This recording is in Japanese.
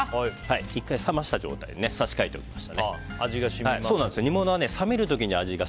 １回冷ました状態で差し替えておきました。